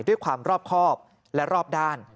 ด้วยความรอบครอบและรอบด้าน